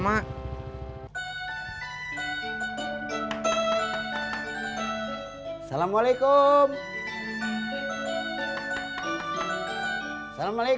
maka kur arkestras pertahan sudah jumpa n alternatif ini